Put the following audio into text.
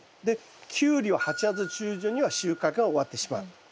でキュウリは８月中旬には収穫が終わってしまう。